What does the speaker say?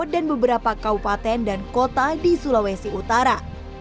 dan beberapa kaupaten dan kota di sulawesi utara